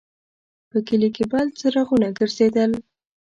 په کلي کې بل څراغونه ګرځېدل.